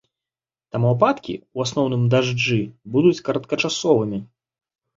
Таму ападкі, у асноўным дажджы, будуць кароткачасовымі.